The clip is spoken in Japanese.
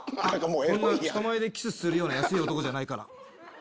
こんな人前でキスするような安い男じゃないから。